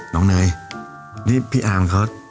น้องหน่อยนี่พี่อ่าน